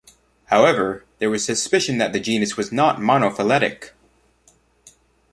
However there was suspicion that the genus was not monophyletic.